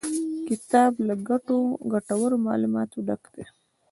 کتاب له ګټورو معلوماتو ډک دی.